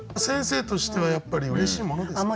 先生としてはやっぱりうれしいものですか？